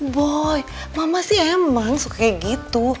boy mama sih emang suka kayak gitu